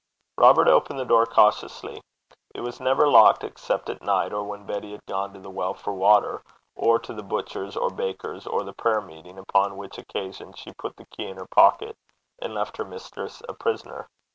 Robert opened the door cautiously. It was never locked except at night, or when Betty had gone to the well for water, or to the butcher's or baker's, or the prayer meeting, upon which occasions she put the key in her pocket, and left her mistress a prisoner.